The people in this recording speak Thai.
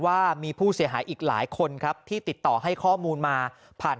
ว่ามีผู้เสียหายอีกหลายคนครับที่ติดต่อให้ข้อมูลมาผ่าน